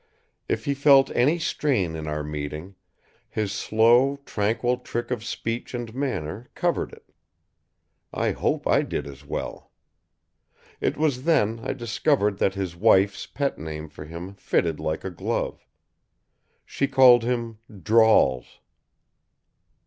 If he felt any strain in our meeting, his slow, tranquil trick of speech and manner covered it. I hope I did as well! It was then I discovered that his wife's pet name for him fitted like a glove. She called him "Drawls."